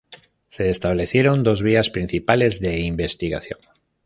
Se establecieron dos vías principales de investigación.